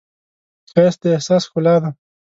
ښایست د احساس ښکلا ده